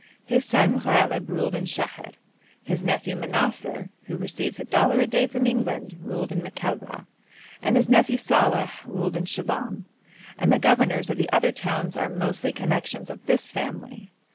His son Ghalib ruled in Sheher, his nephew Manassar, who receives a dollar a day from England, ruled in Makalla, and his nephew Salàh ruled in Shibahm, and the governors of the other towns are mostly connections of this family.